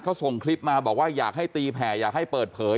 เขาส่งคลิปมาบอกว่าอยากให้ตีแผ่อยากให้เปิดเผย